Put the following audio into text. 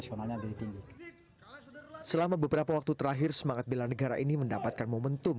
selama beberapa waktu terakhir semangat bela negara ini mendapatkan momentum